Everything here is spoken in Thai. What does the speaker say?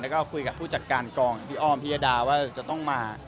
แล้วก็คุยกับผู้จัดการกองพี่อ้อมพิยดาว่าจะต้องมา